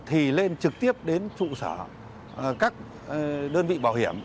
thì lên trực tiếp đến trụ sở các đơn vị bảo hiểm